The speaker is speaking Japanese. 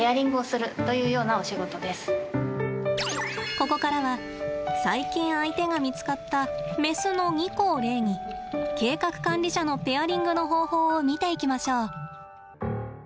ここからは最近相手が見つかったメスのニコを例に計画管理者のペアリングの方法を見ていきましょう。